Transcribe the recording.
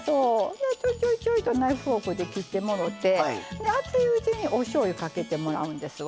ちょいちょいちょいとナイフフォークで切ってもろて熱いうちにおしょうゆかけてもらうんですわ。